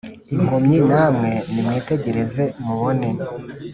impumyi namwe nimwitegereze, mubone!